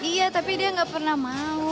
iya tapi dia nggak pernah mau